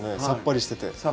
さっぱりして。